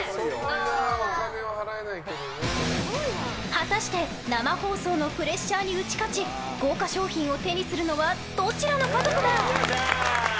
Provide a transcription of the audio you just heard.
果たして生放送のプレッシャーに打ち勝ち豪華賞品を手にするのはどちらの家族だ？